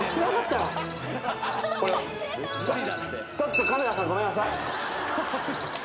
ちょっとカメラさんごめんなさい。